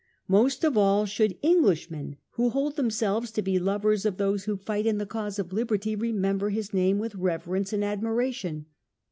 Most of all should Englishmen, who hold themselves to be lovers of those who fight in the cause of liberty, remember his name with reverence and admiration.